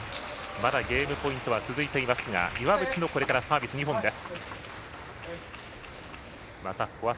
まだゲームポイントは続いていますが岩渕のサービス２本です。